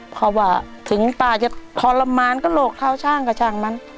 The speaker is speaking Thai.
เพราะว่าถึงป้าจะทรมานกระโหลกเท้าช่างก็ช่างมัน